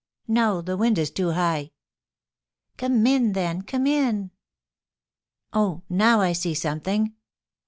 "No, the wind is too high." "Come in, then; come in." "Oh, now I see something!"